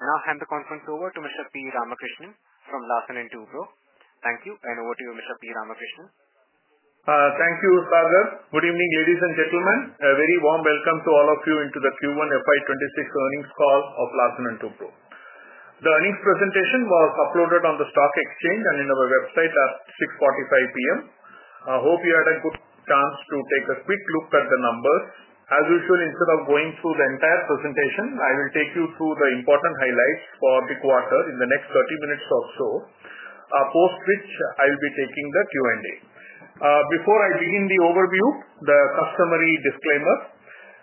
Now I hand the conference over to Mr. P. Ramakrishnan from Larsen & Toubro. Thank you. Over to you, Mr. P. Ramakrishnan. Thank you, Sagar. Good evening, ladies and gentlemen. A very warm welcome to all of you to the Q1 FY 2026 earnings call of Larsen & Toubro. The earnings presentation was uploaded on the stock exchange and on our website at 6:45 P.M. I hope you had a good chance to take a quick look at the numbers. As usual, instead of going through the entire presentation, I will take you through the important highlights for the quarter in the next 30 minutes or so, post which I will be taking the Q&A. Before I begin the overview, the customary disclaimer.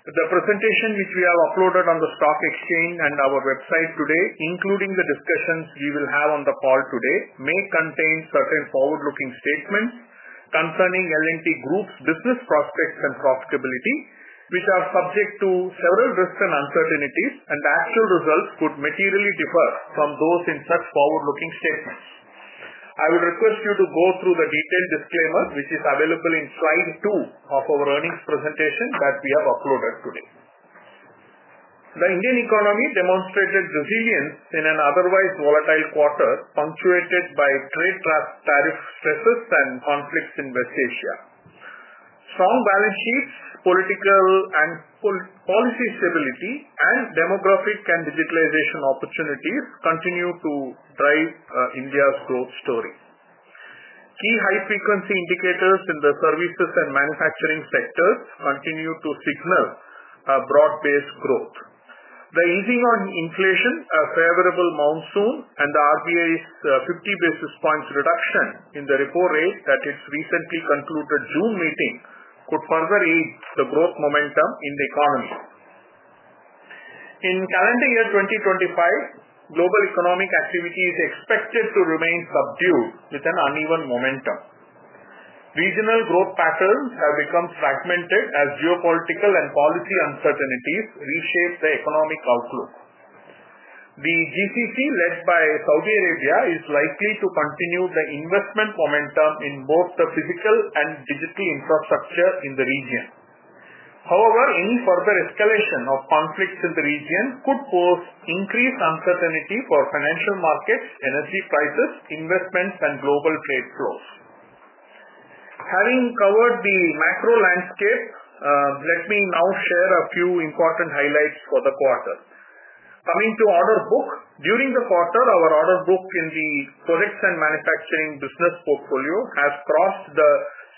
The presentation which we have uploaded on the stock exchange and our website today, including the discussions we will have on the call today, may contain certain forward-looking statements concerning L&T Group's business prospects and profitability, which are subject to several risks and uncertainties, and the actual results could materially differ from those in such forward-looking statements. I will request you to go through the detailed disclaimer, which is available in slide two of our earnings presentation that we have uploaded today. The Indian economy demonstrated resilience in an otherwise volatile quarter, punctuated by trade tariff stresses and conflicts in West Asia. Strong balance sheets, political and policy stability, and demographic and digitalization opportunities continue to drive India's growth story. Key high-frequency indicators in the services and manufacturing sectors continue to signal broad-based growth. The easing on inflation, a favorable monsoon, and the RBI's 50 basis points reduction in the repo rate at its recently concluded June meeting could further aid the growth momentum in the economy. In calendar year 2025, global economic activity is expected to remain subdued with an uneven momentum. Regional growth patterns have become fragmented as geopolitical and policy uncertainties reshape the economic outlook. The GCC, led by Saudi Arabia, is likely to continue the investment momentum in both the physical and digital infrastructure in the region. However, any further escalation of conflicts in the region could pose increased uncertainty for financial markets, energy prices, investments, and global trade flows. Having covered the macro landscape, let me now share a few important highlights for the quarter. Coming to order book, during the quarter, our order book in the products and manufacturing business portfolio has crossed the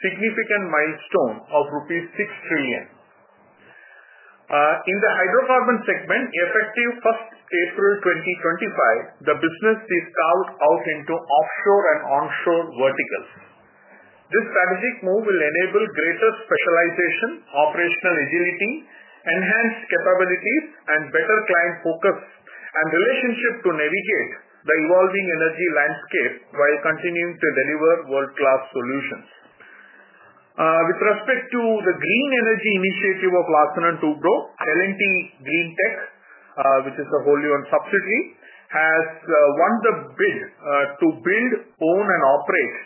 significant milestone of rupees 6 trillion. In the hydrocarbon segment, effective 1st April 2025, the business is scaled out into offshore and onshore verticals. This strategic move will enable greater specialization, operational agility, enhanced capabilities, and better client focus and relationship to navigate the evolving energy landscape while continuing to deliver world-class solutions. With respect to the green energy initiative of Larsen & Toubro, L&T GreenTech, which is a wholly owned subsidiary, has won the bid to build, own, and operate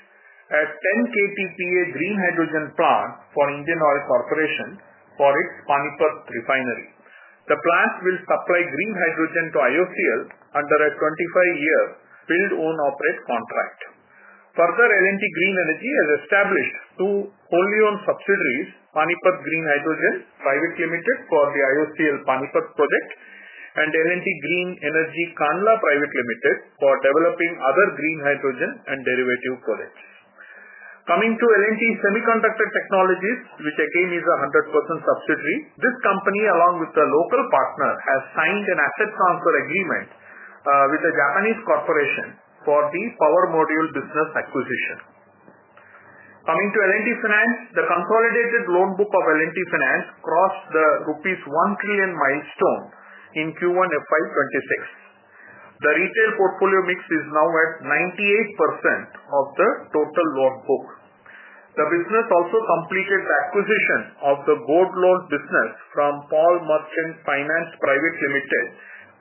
a 10 kTpa green hydrogen plant for Indian Oil Corporation for its Panipat refinery. The plant will supply green hydrogen to IOCL under a 25-year build-own-operate contract. Further, L&T GreenEnergy has established two wholly owned subsidiaries: Panipat Green Hydrogen Pvt. Ltd. for the IOCL Panipat project, and L&T GreenEnergy Kandla Pvt. Ltd. for developing other green hydrogen and derivative products. Coming to L&T Semiconductor Technologies, which again is a 100% subsidiary, this company, along with the local partner, has signed an asset transfer agreement with a Japanese corporation for the power module business acquisition. Coming to L&T Finance, the consolidated loan book of L&T Finance crossed the rupees 1 trillion milestone in Q1 FY 2026. The retail portfolio mix is now at 98% of the total loan book. The business also completed the acquisition of the board loan business from Paul Merchants Finance Pvt. Ltd.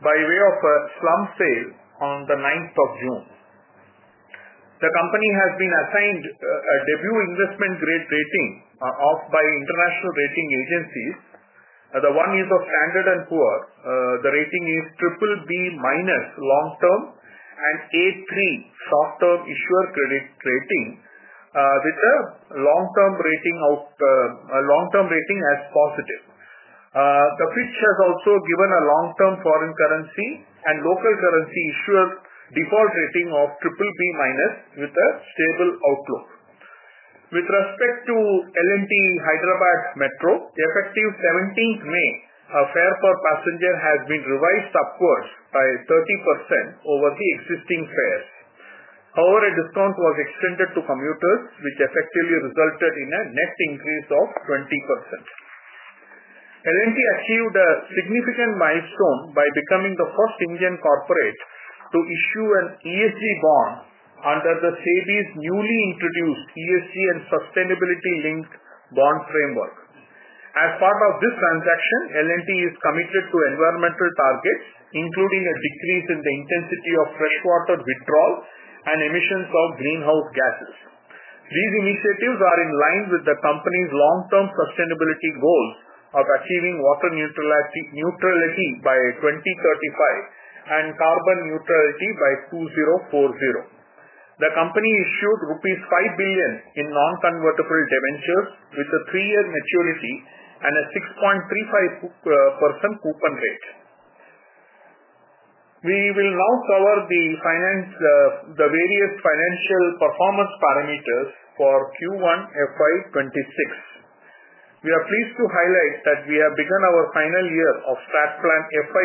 by way of a slum sale on the 9th of June. The company has been assigned a debut investment-grade rating by international rating agencies. The one is of Standard & Poor’s. The rating is BBB- long-term and A3 short-term issuer credit rating. With a long-term rating. As positive. The Fitch has also given a long-term foreign currency and local currency issuer default rating of BBB- with a stable outlook. With respect to L&T Hyderabad Metro, effective 17th May, a fare per passenger has been revised upwards by 30% over the existing fares. However, a discount was extended to commuters, which effectively resulted in a net increase of 20%. L&T achieved a significant milestone by becoming the first Indian corporate to issue an ESG bond under the SEBI's newly introduced ESG and sustainability-linked bond framework. As part of this transaction, L&T is committed to environmental targets, including a decrease in the intensity of freshwater withdrawal and emissions of greenhouse gases. These initiatives are in line with the company's long-term sustainability goals of achieving water neutrality by 2035 and carbon neutrality by 2040. The company issued rupees 5 billion in non-convertible debentures with a 3-year maturity and a 6.35% coupon rate. We will now cover the various financial performance parameters for Q1 FY 2026. We are pleased to highlight that we have begun our final year of StratPlan FY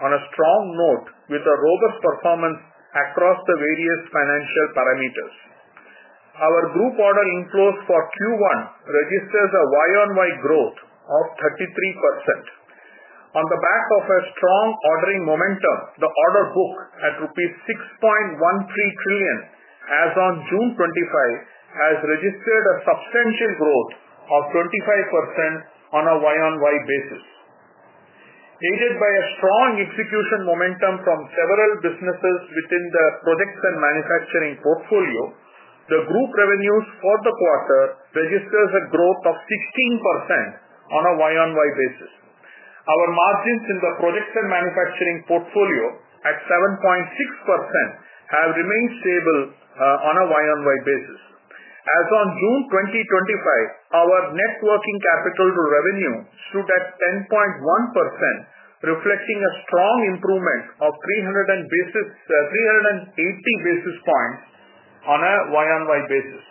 2026 on a strong note with a robust performance across the various financial parameters. Our group order inflows for Q1 registered a YoY growth of 33%. On the back of a strong ordering momentum, the order book at 6.13 trillion as of June 2025 has registered a substantial growth of 25% on a YoY basis. Aided by a strong execution momentum from several businesses within the products and manufacturing portfolio, the group revenues for the quarter registered a growth of 16% on a YoY basis. Our margins in the products and manufacturing portfolio at 7.6% have remained stable on a YoY basis. As of June 2025, our net working capital revenue stood at 10.1%, reflecting a strong improvement of 380 basis points on a YoY basis.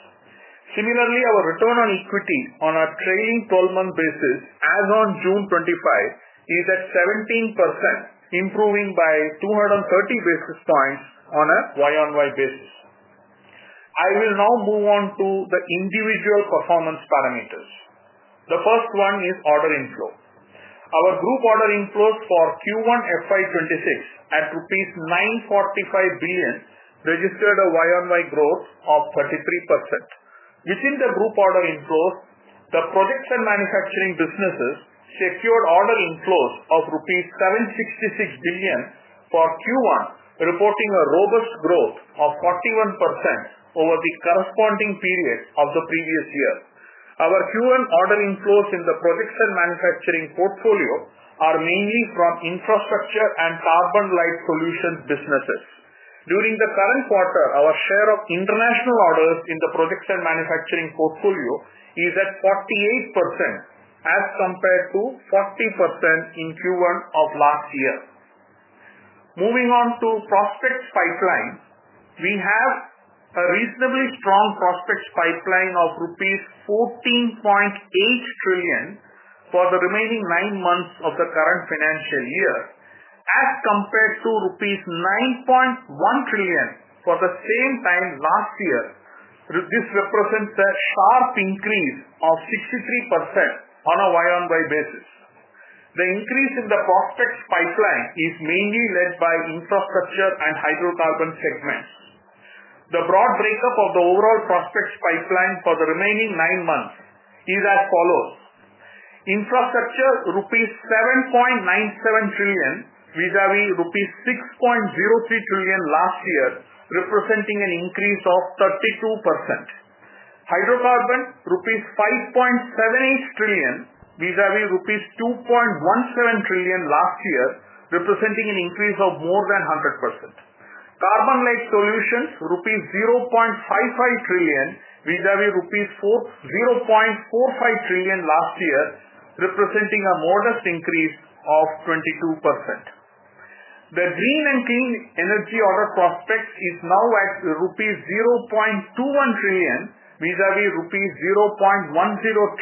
Similarly, our return on equity on a trailing 12-month basis as of June 2025 is at 17%, improving by 230 basis points on a YoY basis. I will now move on to the individual performance parameters. The first one is order inflow. Our group order inflows for Q1 FY 2026 at rupees 945 billion registered a YoY growth of 33%. Within the group order inflows, the products and manufacturing businesses secured order inflows of rupees 766 billion for Q1, reporting a robust growth of 41% over the corresponding period of the previous year. Our Q1 order inflows in the products and manufacturing portfolio are mainly from infrastructure and carbon light solutions businesses. During the current quarter, our share of international orders in the products and manufacturing portfolio is at 48% as compared to 40% in Q1 of last year. Moving on to prospects pipeline, we have a reasonably strong prospects pipeline of rupees 14.8 trillion for the remaining nine months of the current financial year. As compared to rupees 9.1 trillion for the same time last year, this represents a sharp increase of 63% on a YoY basis. The increase in the prospects pipeline is mainly led by infrastructure and hydrocarbon segments. The broad breakup of the overall prospects pipeline for the remaining nine months is as follows. Infrastructure: rupees 7.97 trillion vis-à-vis rupees 6.03 trillion last year, representing an increase of 32%. Hydrocarbon: rupees 5.78 trillion vis-à-vis rupees 2.17 trillion last year, representing an increase of more than 100%. Carbon light solutions: rupees 0.55 trillion vis-à-vis 0.45 trillion rupees last year, representing a modest increase of 22%. The green and clean energy order prospects is now at rupees 0.21 trillion vis-à-vis rupees 0.10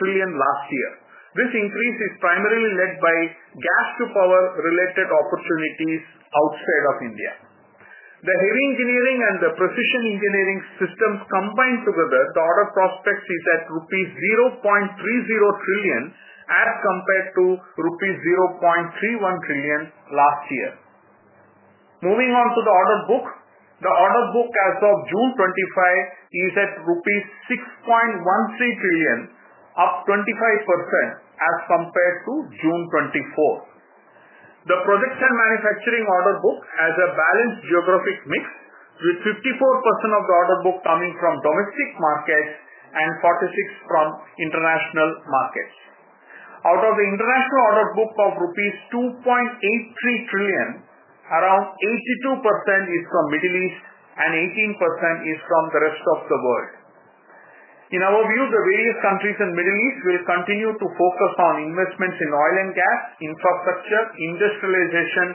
trillion last year. This increase is primarily led by gas-to-power related opportunities outside of India. The heavy engineering and the precision engineering systems combined together, the order prospects is at rupees 0.30 trillion as compared to rupees 0.31 trillion last year. Moving on to the order book, the order book as of June 2025 is at rupees 6.13 trillion, up 25% as compared to June 2024. The products and manufacturing order book has a balanced geographic mix, with 54% of the order book coming from domestic markets and 46% from international markets. Out of the international order book of rupees 2.83 trillion, around 82% is from the Middle East and 18% is from the rest of the world. In our view, the various countries in the Middle East will continue to focus on investments in oil and gas, infrastructure, industrialization,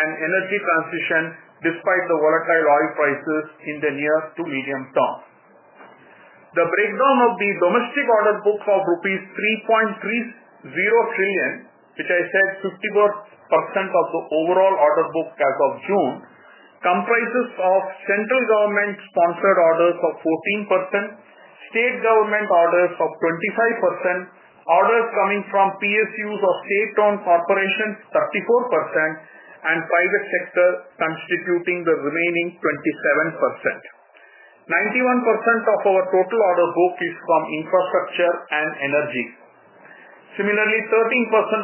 and energy transition despite the volatile oil prices in the near to medium term. The breakdown of the domestic order book of rupees 3.30 trillion, which I said is 54% of the overall order book as of June, comprises central government-sponsored orders of 14%, state government orders of 25%, orders coming from PSUs or state-owned corporations 34%, and private sector constituting the remaining 27%. 91% of our total order book is from infrastructure and energy. Similarly, 13%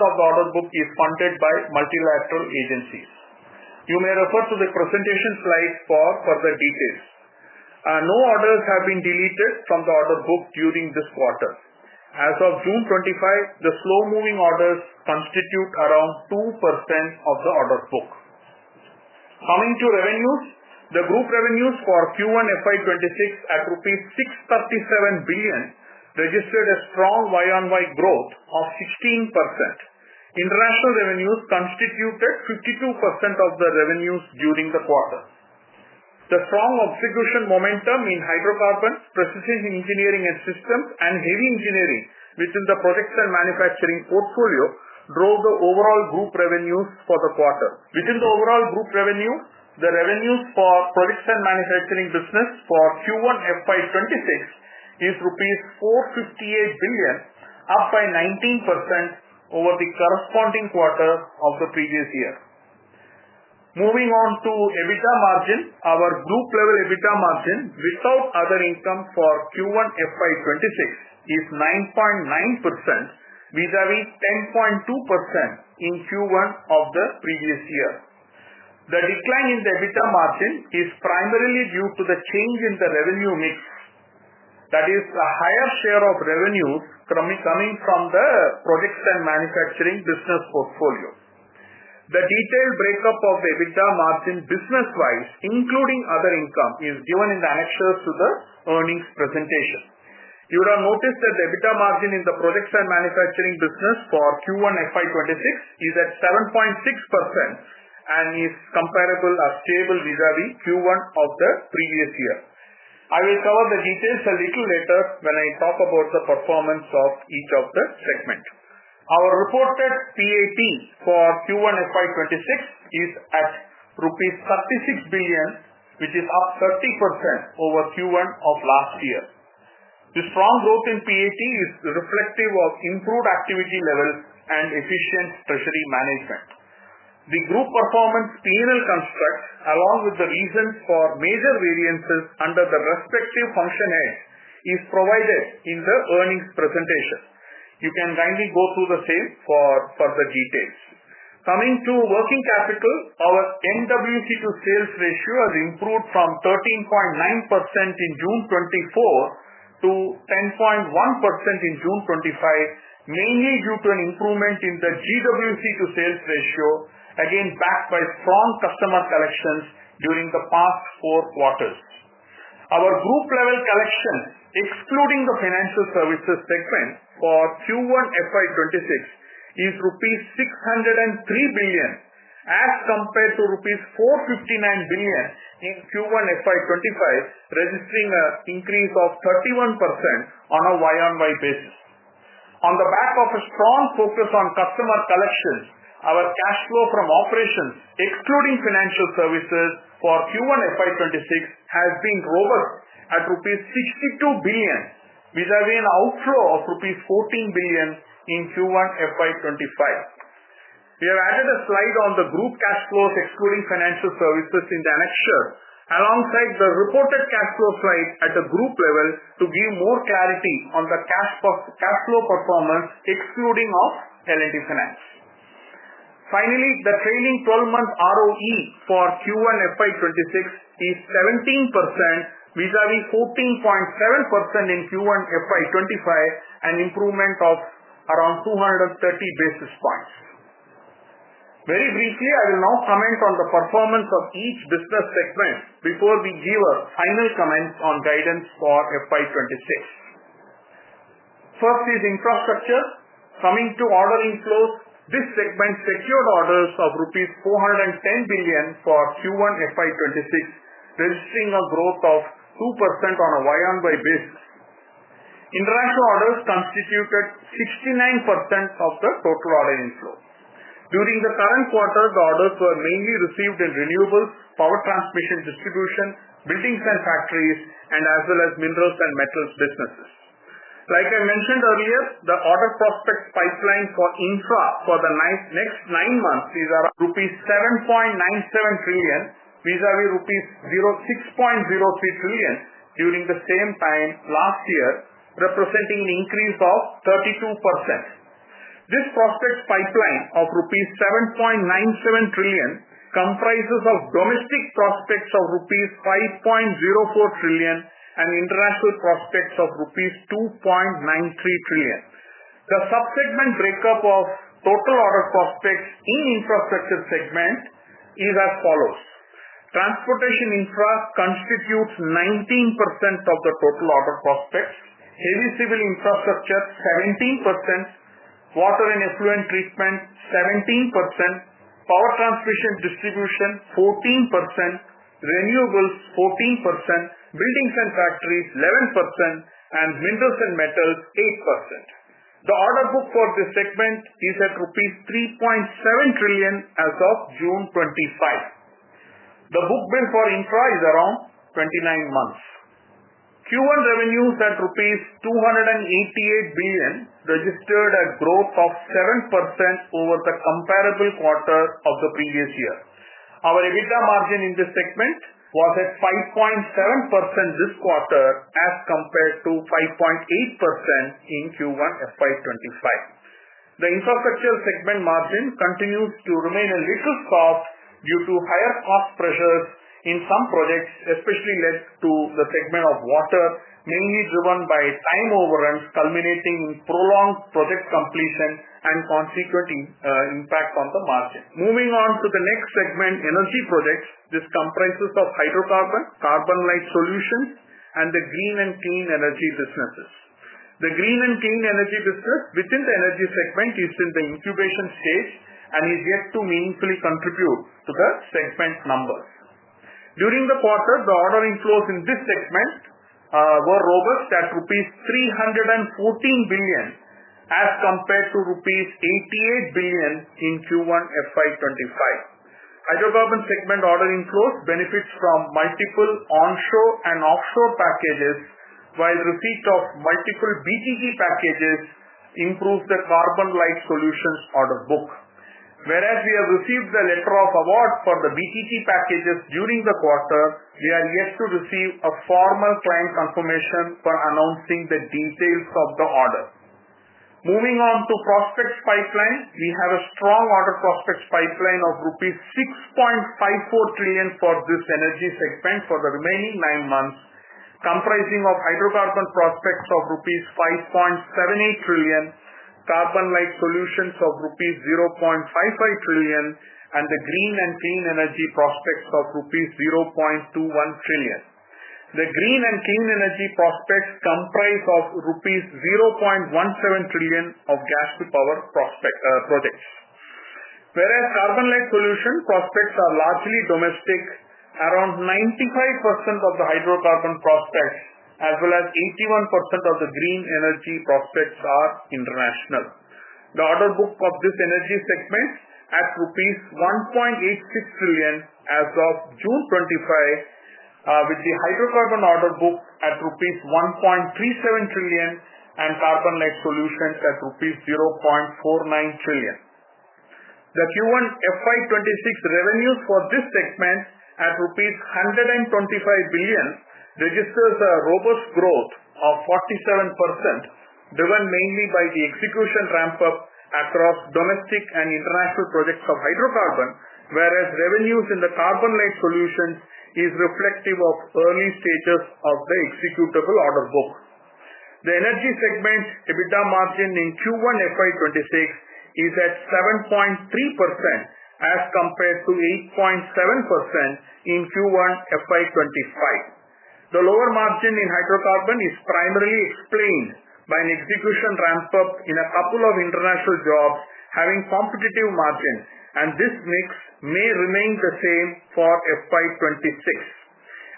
of the order book is funded by multilateral agencies. You may refer to the presentation slides for further details. No orders have been deleted from the order book during this quarter. As of June 2025, the slow-moving orders constitute around 2% of the order book. Coming to revenues, the group revenues for Q1 FY 2026 at rupees 637 billion registered a strong YoY growth of 16%. International revenues constituted 52% of the revenues during the quarter. The strong execution momentum in hydrocarbons, precision engineering and systems, and heavy engineering within the products and manufacturing portfolio drove the overall group revenues for the quarter. Within the overall group revenue, the revenues for products and manufacturing business for Q1 FY 2026 is rupees 458 billion, up by 19% over the corresponding quarter of the previous year. Moving on to EBITDA margin, our group level EBITDA margin without other income for Q1 FY 2026 is 9.9% vis-à-vis 10.2% in Q1 of the previous year. The decline in the EBITDA margin is primarily due to the change in the revenue mix, that is, a higher share of revenues coming from the products and manufacturing business portfolio. The detailed breakup of the EBITDA margin business-wise, including other income, is given in the annexures to the earnings presentation. You will notice that the EBITDA margin in the products and manufacturing business for Q1 FY 2026 is at 7.6% and is comparable or stable vis-à-vis Q1 of the previous year. I will cover the details a little later when I talk about the performance of each of the segments. Our reported PAT for Q1 FY 2026 is at rupees 36 billion, which is up 30% over Q1 of last year. The strong growth in PAT is reflective of improved activity levels and efficient treasury management. The group performance P&L construct, along with the reasons for major variances under the respective function heads, is provided in the earnings presentation. You can kindly go through the same for further details. Coming to working capital, our NWC to sales ratio has improved from 13.9% in June 2024 to 10.1% in June 2025, mainly due to an improvement in the GWC to sales ratio, again backed by strong customer collections during the past four quarters. Our group level collection, excluding the financial services segment for Q1 FY 2026, is rupees 603 billion as compared to rupees 459 billion in Q1 FY 2025, registering an increase of 31% on a YoY basis. On the back of a strong focus on customer collections, our cash flow from operations, excluding financial services for Q1 FY 2026, has been robust at rupees 62 billion vis-à-vis an outflow of rupees 14 billion in Q1 FY 2025. We have added a slide on the group cash flows, excluding financial services in the annexure, alongside the reported cash flow slide at the group level to give more clarity on the cash flow performance, excluding of L&T Finance. Finally, the trailing 12-month ROE for Q1 FY 2026 is 17% vis-à-vis 14.7% in Q1 FY 2025, an improvement of around 230 basis points. Very briefly, I will now comment on the performance of each business segment before we give our final comments on guidance for FY 2026. First is infrastructure. Coming to order inflows, this segment secured orders of INR 410 billion for Q1 FY 2026, registering a growth of 2% on a YoY basis. International orders constituted 69% of the total order inflow. During the current quarter, the orders were mainly received in renewables, power transmission distribution, buildings and factories, as well as minerals and metals businesses. Like I mentioned earlier, the order prospects pipeline for infra for the next nine months is at rupees 7.97 trillion vis-à-vis rupees 06.03 trillion during the same time last year, representing an increase of 32%. This prospects pipeline of rupees 7.97 trillion comprises domestic prospects of rupees 5.04 trillion and international prospects of rupees 2.93 trillion. The subsegment breakup of total order prospects in the infrastructure segment is as follows. Transportation infra constitutes 19% of the total order prospects, heavy civil infrastructure 17%, water and effluent treatment 17%, power transmission distribution 14%, renewables 14%, buildings and factories 11%, and minerals and metals 8%. The order book for this segment is at INR 3.7 trillion as of June 2025. The book-to-bill for infra is around 29 months. Q1 revenues at INR 288 billion registered a growth of 7% over the comparable quarter of the previous year. Our EBITDA margin in this segment was at 5.7% this quarter as compared to 5.8% in Q1 FY 2025. The infrastructure segment margin continues to remain a little soft due to higher cost pressures in some projects, especially led to the segment of water, mainly driven by time overruns culminating in prolonged project completion and consequent impact on the margin. Moving on to the next segment, energy projects, this comprises hydrocarbon, carbon light solutions, and the green and clean energy businesses. The green and clean energy business within the energy segment is in the incubation stage and is yet to meaningfully contribute to the segment numbers. During the quarter, the order inflows in this segment were robust at rupees 314 billion as compared to rupees 88 billion in Q1 FY 2025. Hydrocarbon segment order inflows benefit from multiple onshore and offshore packages, while the receipt of multiple BTG packages improves the carbon light solutions order book. Whereas we have received the letter of award for the BTG packages during the quarter, we are yet to receive a formal client confirmation for announcing the details of the order. Moving on to prospects pipeline, we have a strong order prospects pipeline of rupees 6.54 trillion for this energy segment for the remaining nine months, comprising hydrocarbon prospects of rupees 5.78 trillion, carbon light solutions of rupees 0.55 trillion, and the green and clean energy prospects of rupees 0.21 trillion. The green and clean energy prospects comprise of INR 0.17 trillion of gas-to-power projects. Whereas carbon light solution prospects are largely domestic, around 95% of the hydrocarbon prospects as well as 81% of the green energy prospects are international. The order book of this energy segment is at rupees 1.86 trillion as of June 25. With the hydrocarbon order book at rupees 1.37 trillion and carbon light solutions at rupees 0.49 trillion. The Q1 FY 2026 revenues for this segment at rupees 125 billion registers a robust growth of 47%, driven mainly by the execution ramp-up across domestic and international projects of hydrocarbon, whereas revenues in the carbon light solutions are reflective of early stages of the executable order book. The energy segment EBITDA margin in Q1 FY 2026 is at 7.3% as compared to 8.7% in Q1 FY 2025. The lower margin in hydrocarbon is primarily explained by an execution ramp-up in a couple of international jobs having competitive margins, and this mix may remain the same for FY 2026.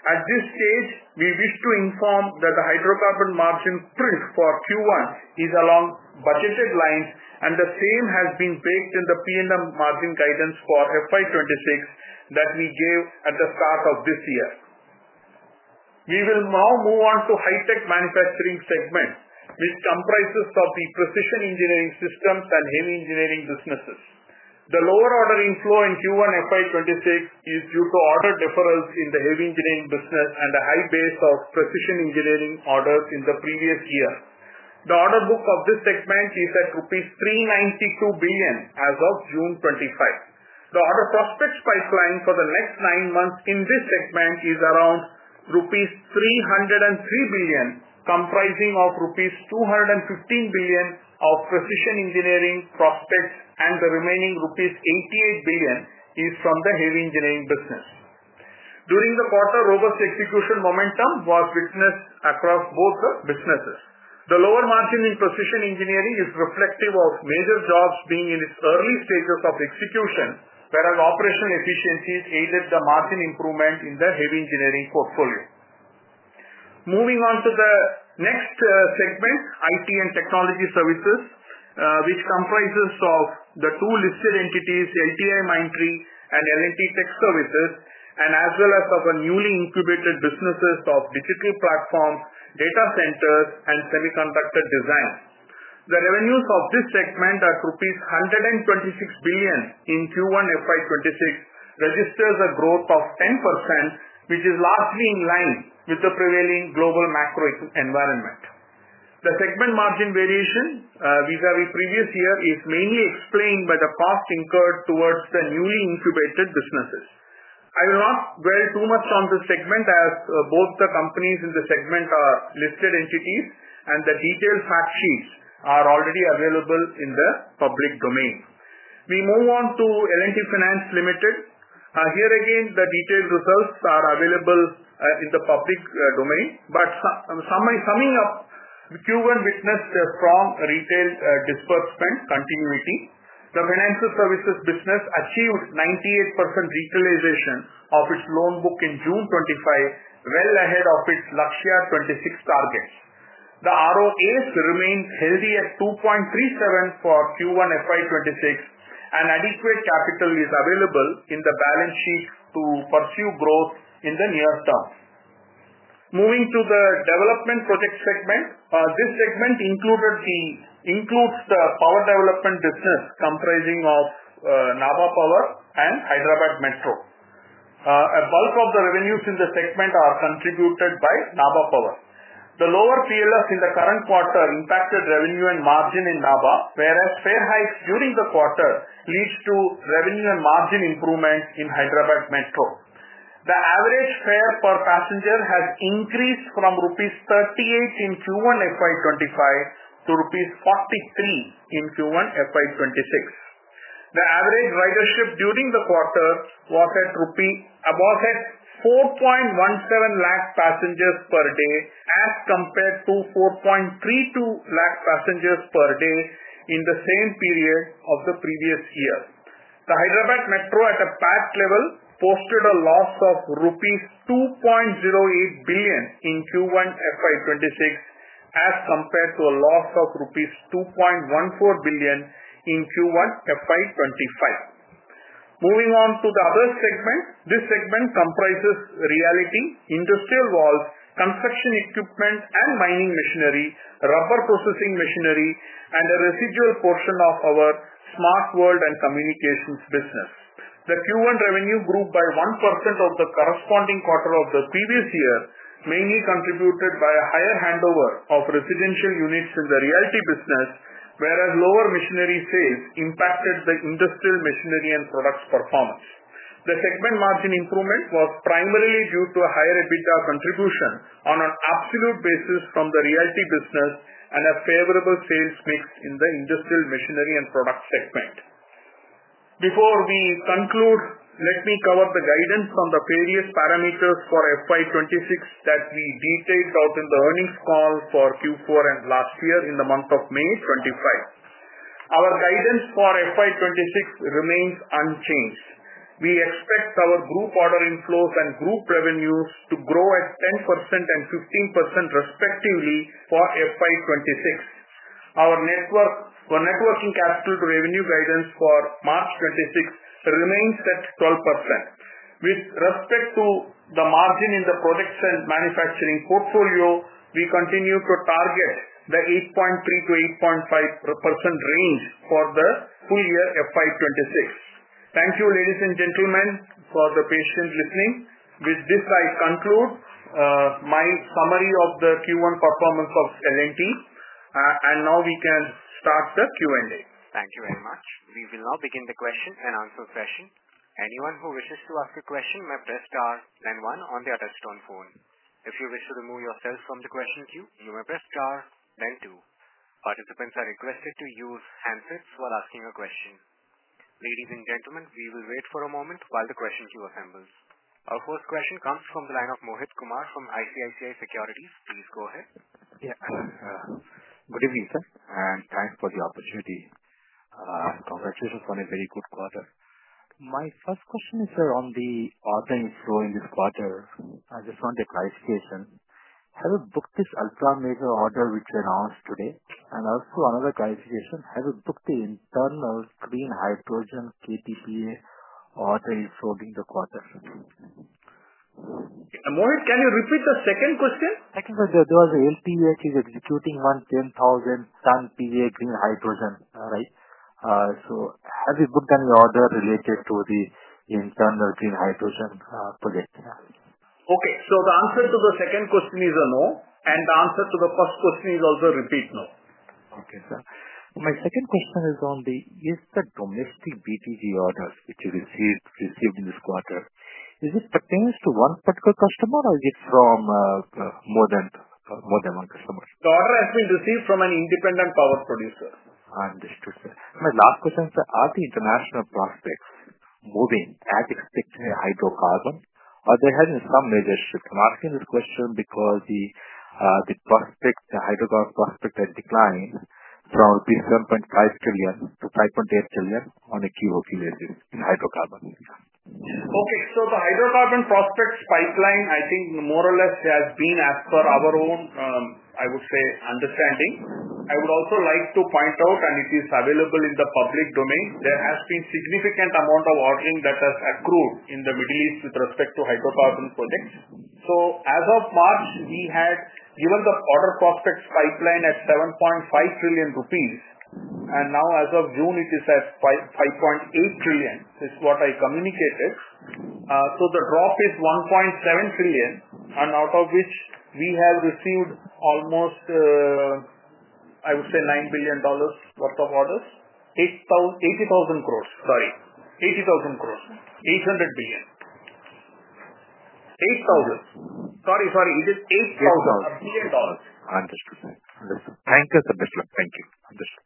At this stage, we wish to inform that the hydrocarbon margin drift for Q1 is along budgeted lines, and the same has been baked in the P&M margin guidance for FY 2026 that we gave at the start of this year. We will now move on to high-tech manufacturing segment, which comprises the precision engineering systems and heavy engineering businesses. The lower order inflow in Q1 FY 2026 is due to order deferrals in the heavy engineering business and a high base of precision engineering orders in the previous year. The order book of this segment is at rupees 392 billion as of June 25. The order prospects pipeline for the next nine months in this segment is around rupees 303 billion, comprising rupees 215 billion of precision engineering prospects, and the remaining rupees 88 billion is from the heavy engineering business. During the quarter, robust execution momentum was witnessed across both businesses. The lower margin in precision engineering is reflective of major jobs being in its early stages of execution, whereas operational efficiencies aided the margin improvement in the heavy engineering portfolio. Moving on to the next segment, IT and technology services, which comprises the two listed entities, LTI Mindtree and L&T Technology Services, and as well as the newly incubated businesses of digital platforms, data centers, and semiconductor design. The revenues of this segment at 126 billion in Q1 FY 2026 registers a growth of 10%, which is largely in line with the prevailing global macro environment. The segment margin variation vis-à-vis previous year is mainly explained by the cost incurred towards the newly incubated businesses. I will not dwell too much on this segment as both the companies in the segment are listed entities, and the detailed fact sheets are already available in the public domain. We move on to L&T Finance Ltd. Here again, the detailed results are available in the public domain. Summing up, Q1 witnessed a strong retail disbursement continuity. The financial services business achieved 98% utilization of its loan book in June 2025, well ahead of its Lakshya 2026 targets. The ROAS remained healthy at 2.37 for Q1 FY 2026, and adequate capital is available in the balance sheet to pursue growth in the near term. Moving to the development project segment, this segment includes the power development business comprising of Nabha Power and Hyderabad Metro. A bulk of the revenues in the segment are contributed by Nabha Power. The lower PLF in the current quarter impacted revenue and margin in Naba, whereas fare hikes during the quarter led to revenue and margin improvement in Hyderabad Metro. The average fare per passenger has increased from rupees 38 in Q1 FY 2025 to rupees 43 in Q1 FY 2026. The average ridership during the quarter was at 4.17 lakh passengers per day as compared to 4.32 lakh passengers per day in the same period of the previous year. The Hyderabad Metro, at a PAT level, posted a loss of rupees 2.08 billion in Q1 FY 2026 as compared to a loss of rupees 2.14 billion in Q1 FY 2025. Moving on to the other segment, this segment comprises realty, industrial valves, construction equipment and mining machinery, rubber processing machinery, and a residual portion of our smart world and communications business. The Q1 revenue grew by 1% over the corresponding quarter of the previous year, mainly contributed by a higher handover of residential units in the realty business, whereas lower machinery sales impacted the industrial machinery and products performance. The segment margin improvement was primarily due to a higher EBITDA contribution on an absolute basis from the realty business and a favorable sales mix in the industrial machinery and product segment. Before we conclude, let me cover the guidance on the various parameters for FY 2026 that we detailed out in the earnings call for Q4 and last year in the month of May 2025. Our guidance for FY 2026 remains unchanged. We expect our group order inflows and group revenues to grow at 10% and 15% respectively for FY 2026. Our net working capital to revenue guidance for March 2026 remains at 12%. With respect to the margin in the products and manufacturing portfolio, we continue to target the 8.3%-8.5% range for the full year FY 2026. Thank you, ladies and gentlemen, for the patient listening. With this, I conclude. My summary of the Q1 performance of L&T, and now we can start the Q&A. Thank you very much. We will now begin the question and answer session. Anyone who wishes to ask a question may press star then one on the attestation phone. If you wish to remove yourself from the question queue, you may press star then two. Participants are requested to use handsets while asking a question. Ladies and gentlemen, we will wait for a moment while the question queue assembles. Our first question comes from the line of Mohit Kumar from ICICI Securities. Please go ahead. Yeah. Good evening, sir, and thanks for the opportunity. Congratulations on a very good quarter. My first question is, sir, on the order inflow in this quarter. I just want a clarification. Have you booked this ultra-major order which we announced today? Also, another clarification, have you booked the internal green hydrogen kTpa order inflow during the quarter? Mohit, can you repeat the second question? Second question, there was L&T executing one 10,000-ton green hydrogen, right? So have you booked any order related to the internal green hydrogen project? Okay. The answer to the second question is a no, and the answer to the first question is also a repeat no. Okay, sir. My second question is on the domestic BTG orders which you received in this quarter. Is it pertaining to one particular customer, or is it from more than one customer? The order has been received from an independent power producer. Understood, sir. My last question, sir, are the international prospects moving as expected hydrocarbon, or are they having some major shift? I'm asking this question because the hydrocarbon prospect has declined from 7.5 trillion to 5.8 trillion on a Q4 Q basis in hydrocarbon. Okay. The hydrocarbon prospects pipeline, I think more or less has been, as per our own, I would say, understanding. I would also like to point out, and it is available in the public domain, there has been a significant amount of ordering that has accrued in the Middle East with respect to hydrocarbon projects. As of March, we had given the order prospects pipeline at 7.5 trillion rupees, and now as of June, it is at 5.8 trillion, is what I communicated. The drop is 1.7 trillion, and out of which we have received almost, I would say, $9 billion worth of orders. 80,000 crores, sorry. 80,000 crores, 800 billion. 8,000. Sorry, sorry. dollars. Understood, sir. Thank you, sir. Thank you. Understood.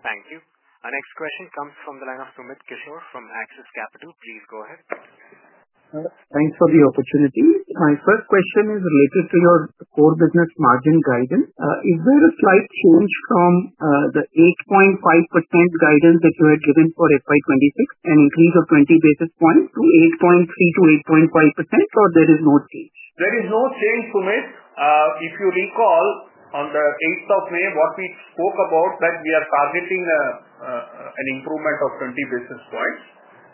Thank you. Our next question comes from the line of Sumit Kishore from Axis Capital. Please go ahead. Thanks for the opportunity. My first question is related to your core business margin guidance. Is there a slight change from the 8.5% guidance that you had given for FY 2026, an increase of 20 basis points to 8.3%-8.5%, or there is no change? There is no change, Sumit. If you recall, on the 8th of May, what we spoke about that we are targeting an improvement of 20 basis points,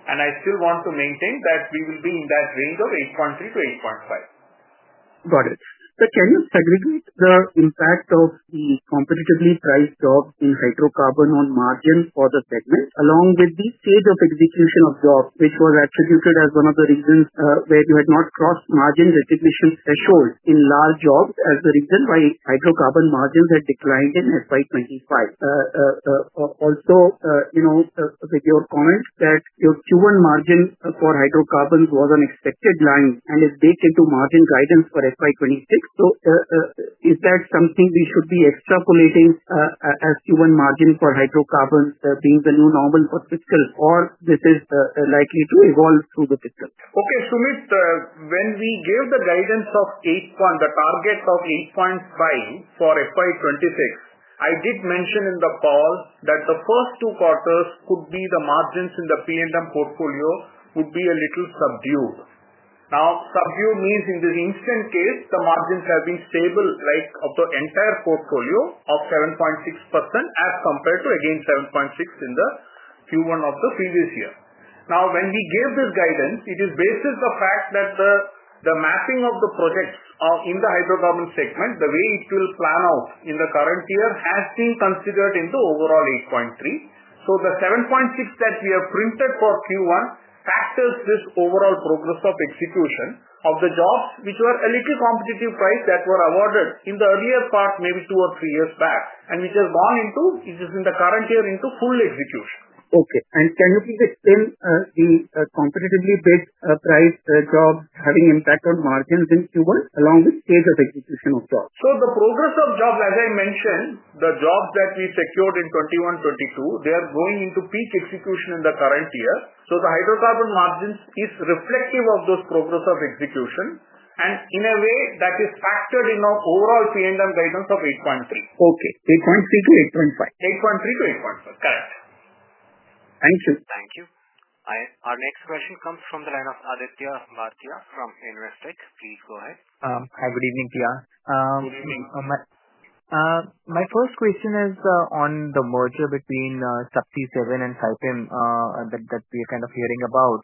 and I still want to maintain that we will be in that range of 8.3%-8.5%. Got it. Sir, can you segregate the impact of the competitively priced jobs in hydrocarbon on margin for the segment, along with the stage of execution of jobs, which was attributed as one of the reasons where you had not crossed margin recognition threshold in large jobs as the reason why hydrocarbon margins had declined in FY 2025? Also, with your comment that your Q1 margin for hydrocarbon was on expected line and is baked into margin guidance for FY 2026, is that something we should be extrapolating as Q1 margin for hydrocarbon being the new normal for fiscal, or is this likely to evolve through the fiscal? Okay, Sumit, when we gave the guidance of 8% points, the target of 8% points for FY 2026, I did mention in the call that the first two quarters could be the margins in the P&M portfolio would be a little subdued. Now, subdued means in this instant case, the margins have been stable, like of the entire portfolio of 7.6% as compared to, again, 7.6% in the Q1 of the previous year. Now, when we gave this guidance, it is based on the fact that the mapping of the projects in the hydrocarbon segment, the way it will plan out in the current year, has been considered in the overall 8.3%. So the 7.6% that we have printed for Q1 factors this overall progress of execution of the jobs which were a little competitive price that were awarded in the earlier part, maybe two or three years back, and which has gone into, which is in the current year, into full execution. Okay. Can you please explain the competitively based price jobs having impact on margins in Q1, along with stage of execution of jobs? The progress of jobs, as I mentioned, the jobs that we secured in 2021, 2022, they are going into peak execution in the current year. The hydrocarbon margins is reflective of those progress of execution and in a way that is factored in our overall P&M guidance of 8.3%. Okay. 8.3%-8.5%? 8.3%-8.5%. Correct. Thank you. Thank you. Our next question comes from the line of Aditya Bhartia from Investec. Please go ahead. Hi, good evening, Priya Good evening. My first question is on the merger between Subsea 7 and Saipem that we are kind of hearing about.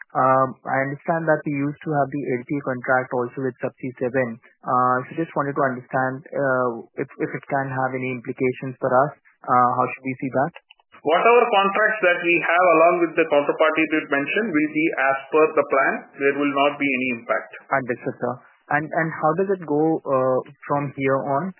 I understand that we used to have the LTA contract also with Subsea 7. I just wanted to understand if it can have any implications for us, how should we see that? Whatever contracts that we have, along with the counterparty you mentioned, will be as per the plan. There will not be any impact. Understood, sir. How does it go from here on?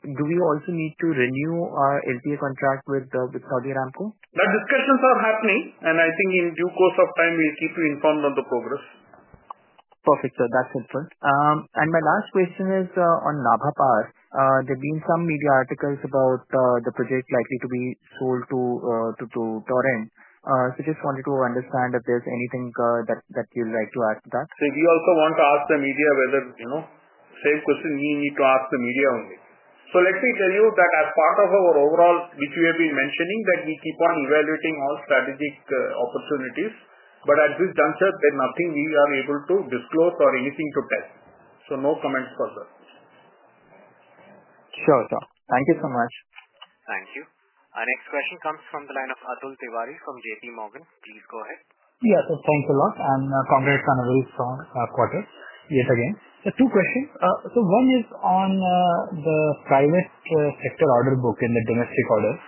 Do we also need to renew our LTA contract with Saudi Aramco? The discussions are happening, and I think in due course of time, we'll keep you informed on the progress. Perfect, sir. That's helpful. My last question is on Nabha Power. There have been some media articles about the project likely to be sold to Torrent. Just wanted to understand if there's anything that you'd like to add to that. If you also want to ask the media whether, same question, we need to ask the media only. Let me tell you that as part of our overall, which we have been mentioning, that we keep on evaluating all strategic opportunities. At this juncture, there is nothing we are able to disclose or anything to test. No comments further. Sure, sir. Thank you so much. Thank you. Our next question comes from the line of Atul Tiwari from JP Morgan. Please go ahead. Yes, sir. Thanks a lot, and congrats on a very strong quarter. Yet again. Two questions. One is on the private sector order book in the domestic orders.